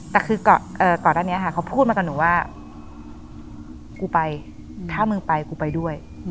แต่คือก่อนอันนี้ค่ะเขาพูดมากับหนูว่ากูไปถ้ามึงไปกูไปด้วย